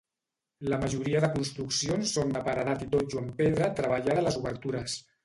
La majoria de construccions són de paredat i totxo amb pedra treballada a les obertures.